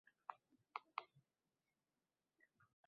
elektron hukumat sohasidagi davlat dasturlarini